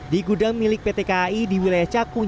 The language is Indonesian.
di gudang milik pt kai di wilayah cakung